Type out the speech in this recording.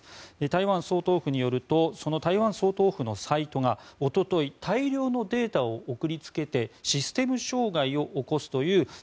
台湾総統府によると台湾総統府のサイトがおととい大量のデータを送りつけてシステム障害を起こすというＤＤｏＳ